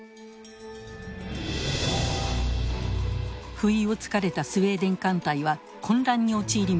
不意をつかれたスウェーデン艦隊は混乱に陥りました。